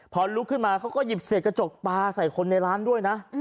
พอลุกขึ้นมาเขาก็หยิบเศษกระจกปลาใส่คนในร้านด้วยนะ